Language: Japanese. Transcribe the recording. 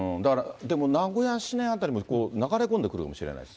でも、名古屋市内辺りにも流れ込んでくるかもしれないですね。